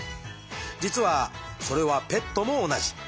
実はそれはペットも同じ。